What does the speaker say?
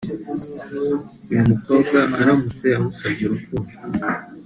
uyu mukobwa aramutse amusabye urukundo